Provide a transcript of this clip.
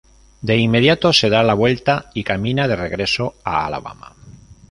De inmediato se da la vuelta y camina de regreso a Alabama.